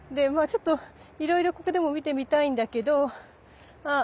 ちょっといろいろここでも見てみたいんだけどあっ！